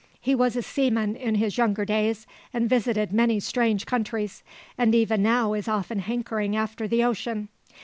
He was a seaman in his younger days, and visited many strange countries, and even now is often hankering after the ocean.